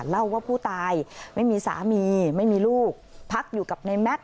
เล่าว่าผู้ตายไม่มีสามีไม่มีลูกพักอยู่กับในแมท